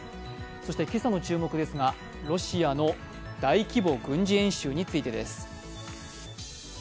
そして今朝の注目ですがロシアの大規模軍事演習についてです。